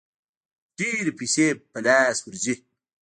ډېرې پیسې په لاس ورځي.